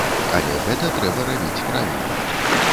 Але гэта трэба рабіць правільна.